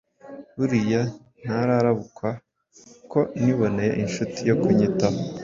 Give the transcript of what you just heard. Buriya ntararabukwa ko niboneye inshuti yo kunyitaho!